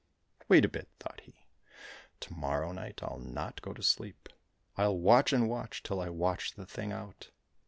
" Wait a bit !" thought he, " to morrow night I'll not go to sleep. I'll watch and watch till I watch the thing out."